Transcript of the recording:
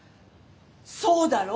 そうだろ？